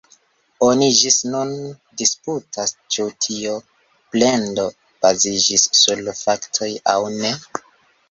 Oni ĝis nun disputas, ĉu tio plendo baziĝis sur faktoj aŭ ne.